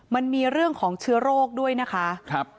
มันมีเรื่องของเชื้อโรคด้วยนะคะ